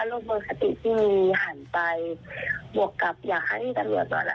โลกบนสติที่มีหันไปบวกกับอยากให้ตำรวจหน่อยล่ะ